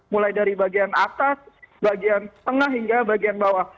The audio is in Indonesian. mulai dari bagian atas bagian tengah hingga bagian bawah